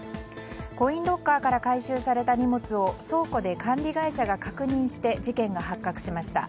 コインロッカーから回収された荷物を倉庫で管理会社が確認して事件が発覚しました。